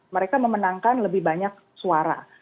mereka memenangkan lebih banyak suara